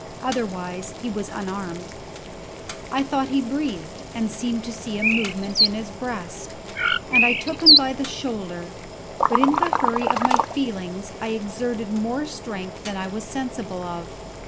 Otherwise he was unarmed. I thought he breathed, and seemed to see a movement in his breast, and I took him by the shoulder; but in the hurry of my feelings I exerted more strength than I was sensible of.